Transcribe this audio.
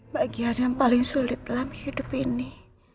bagian yang paling sulit dalam hidup ini